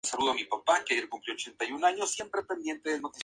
Este proceso describe la forma más común en que se forman estas nubes.